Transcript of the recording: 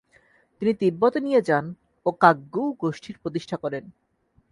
তিনি তিব্বতে নিয়ে যান ও কাগ্যু গোষ্ঠীর প্রতিষ্ঠা করেন।